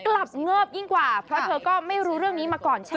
กลับเงิบยิ่งกว่าเพราะเธอก็ไม่รู้เรื่องนี้มาก่อนใช่ไหม